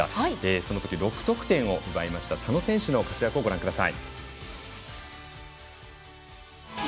そのとき、６得点を奪いました佐野選手の活躍をご覧ください。